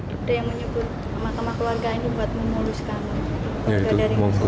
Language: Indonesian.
ada yang menyukur mahkamah keluarga ini buat memuluskan